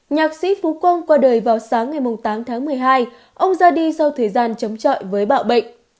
nhạc sĩ phú quang qua đời vào sáng ngày tám tháng một mươi hai ông ra đi sau thời gian chống chọi với bạo bệnh